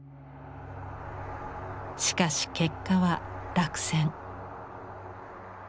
しかし結果は落選。